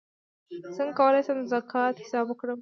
څنګه کولی شم د زکات حساب وکړم